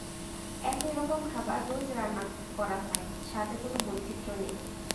একই রকম খাবার রোজ রান্না করা হয়, স্বাদে কোনো বৈচিত্র্য নেই।